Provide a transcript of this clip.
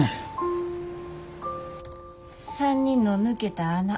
３人の抜けた穴